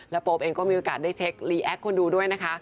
โป๊เองก็มีโอกาสได้เช็คลีแอคคนดูด้วยนะคะ